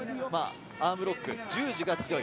アームロック、十字が強い。